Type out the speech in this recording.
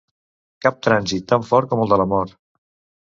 Cap trànsit tan fort com el de la mort.